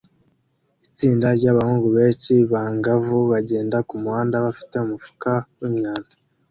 Itsinda ryabahungu benshi bangavu bagenda kumuhanda bafite umufuka wimyanda